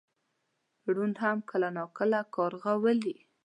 ړوند هم کله ناکله کارغه ولي .